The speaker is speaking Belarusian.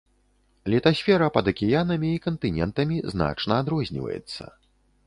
Літасфера пад акіянамі і кантынентамі значна адрозніваецца.